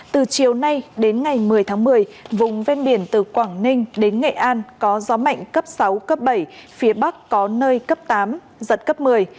từ chiều nay đến ngày một mươi tháng một mươi vùng ven biển từ quảng ninh đến nghệ an có gió mạnh cấp sáu cấp bảy phía bắc có nơi cấp tám giật cấp một mươi